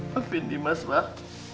maafin dimas mbak